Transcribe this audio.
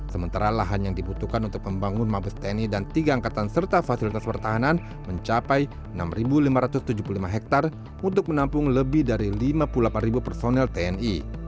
sementara lahan yang dibutuhkan untuk membangun mabes tni dan tiga angkatan serta fasilitas pertahanan mencapai enam lima ratus tujuh puluh lima hektare untuk menampung lebih dari lima puluh delapan personel tni